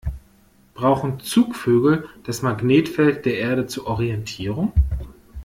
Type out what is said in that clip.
Brauchen Zugvögel das Magnetfeld der Erde zur Orientierung?